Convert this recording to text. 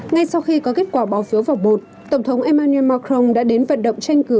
ngay sau khi có kết quả bỏ phiếu vào bột tổng thống emmanuel macron đã đến vận động tranh cử